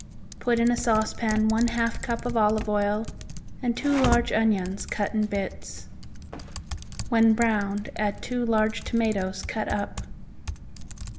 Put in a saucepan one half cup of olive oil, and two large onions cut in bits. When browned add two large tomatoes cut up.